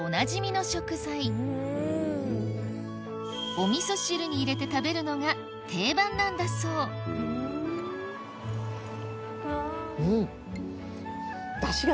お味噌汁に入れて食べるのが定番なんだそううん！